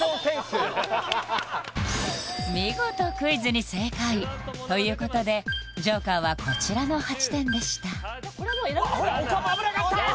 見事クイズに正解ということでＪＯＫＥＲはこちらの８点でしたほらお釜危なかった！